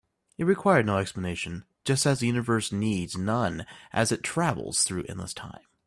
It required no explanation, just as the universe needs none as it travels through endless time.